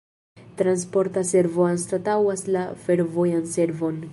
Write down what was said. Transporta servo anstataŭas la fervojan servon.